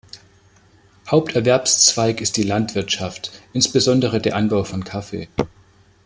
Haupterwerbszweig ist die Landwirtschaft insbesondere der Anbau von Kaffee.